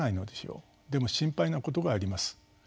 でも心配なことがあります。